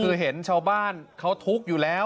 คือเห็นชาวบ้านเขาทุกข์อยู่แล้ว